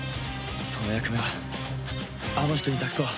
その役目はあの人に託そう。